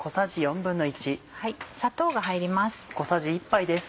砂糖が入ります。